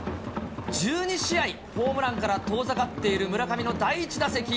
１２試合、ホームランから遠ざかっている村上の第１打席。